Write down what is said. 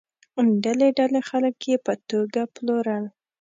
ډلې ډلې خلک یې په توګه پلورل.